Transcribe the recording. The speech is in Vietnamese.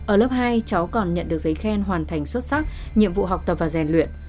ở lớp hai cháu còn nhận được giấy khen hoàn thành xuất sắc nhiệm vụ học tập và rèn luyện